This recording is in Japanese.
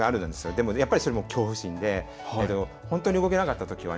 でも、やっぱり、それも恐怖心で本当に動けなかったときはね